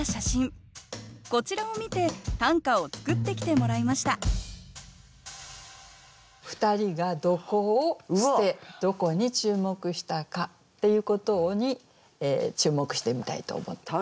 こちらを見て短歌を作ってきてもらいました二人がどこを捨てどこに注目したかっていうことに注目してみたいと思ってます。